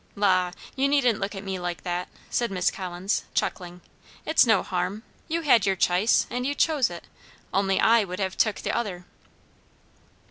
"La! you needn't look at me like that," said Miss Collins, chuckling. "It's no harm. You had your ch'ice, and you chose it; only I would have took the other."